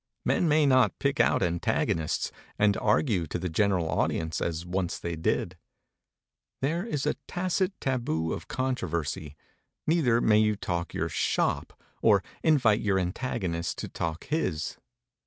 Men may not pick out antagonists, and argue to the general audience as once they did: there is a tacit taboo of controversy, neither may you talk your "shop," nor invite your antagonist to talk his.